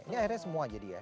ini akhirnya semua jadi ya